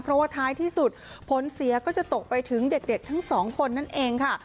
เพราะว่าท้ายที่สุดผลเสียก็จะตกไปถึงเด็กทั้งสองคนนั่นเองค่ะ